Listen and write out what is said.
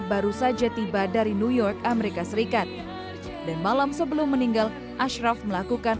baru saja tiba dari new york amerika serikat dan malam sebelum meninggal ashraf melakukan